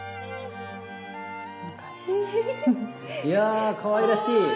いやかわいらしい。